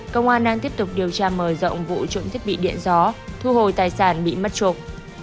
công an đang tiếp tục điều tra mở rộng vụ trộm thiết bị điện gió thu hồi tài sản bị mất trộm